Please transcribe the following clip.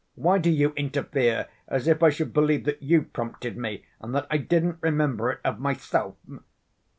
Why do you interfere, as if I should believe that you prompted me, and that I didn't remember it of myself?"